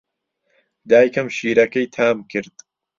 دایکم شیرەکەی تام کرد.